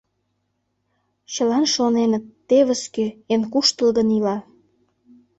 Чылан шоненыт: «Тевыс кӧ Эн куштылгын ила!..»